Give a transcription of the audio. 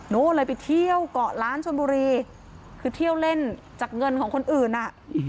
เลยไปเที่ยวเกาะล้านชนบุรีคือเที่ยวเล่นจากเงินของคนอื่นอ่ะ